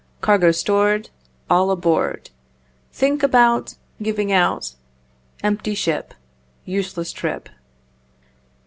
Cargo stored, All aboard, Think about Giving out. Empty ship, Useless trip!